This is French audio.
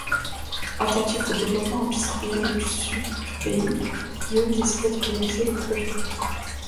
Attentif au développement industriel du sud du pays, Guillaume décida de réaliser le projet.